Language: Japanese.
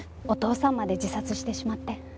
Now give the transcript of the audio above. お父さんまで自殺してしまって。